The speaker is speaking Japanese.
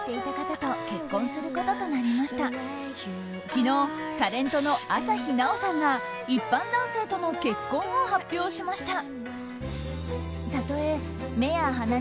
昨日タレントの朝日奈央さんが一般男性との結婚を発表しました。